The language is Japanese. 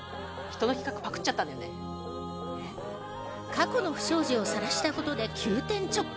過去の不祥事をさらしたことで急転直下。